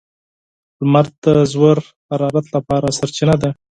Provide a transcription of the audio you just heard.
• لمر د ژور حرارت لپاره سرچینه ده.